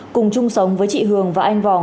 cùng chung sống với chị hường và anh văn vòng